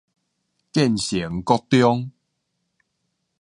建成國中